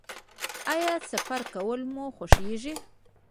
ایا سفر کول مو خوښیږي؟